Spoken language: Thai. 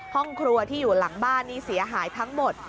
ห้องครัวที่อยู่หลังบ้านนี่เสียหายทั้งหมด